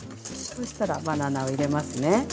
そうしたらバナナを入れますね。